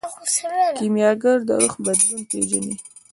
کیمیاګر د روح بدلون پیژني.